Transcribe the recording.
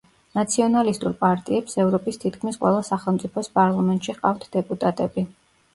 ნაციონალისტურ პარტიებს ევროპის თითქმის ყველა სახელმწიფოს პარლამენტში ჰყავთ დეპუტატები.